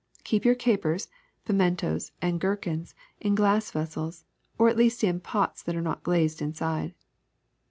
Keep your capers, pimentos, and gherkins in glass vessels, or at least in pots that are not glazed inside.